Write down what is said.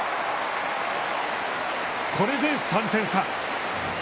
これで３点差。